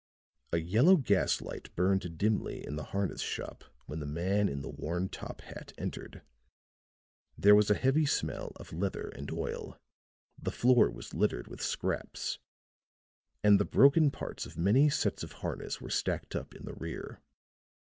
A yellow gaslight burned dimly in the harness shop when the man in the worn top hat entered. There was a heavy smell of leather and oil; the floor was littered with scraps, and the broken parts of many sets of harness were stacked up in the rear.